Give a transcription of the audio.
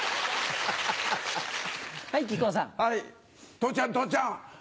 父ちゃん父ちゃん